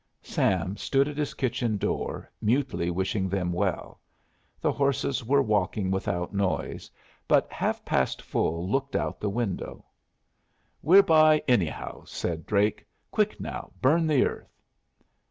Sam stood at his kitchen door, mutely wishing them well. The horses were walking without noise, but Half past Full looked out of the window. "We're by, anyhow," said Drake. "Quick now. Burn the earth."